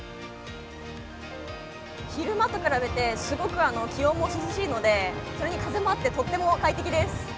昼間と比べてすごく気温も涼しいのでそれに風もあって、とても快適です。